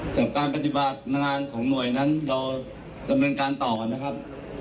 สำหรับการปฏิบัตินางานของหน่วยนั้นเราจำนวนการต่อนะครับ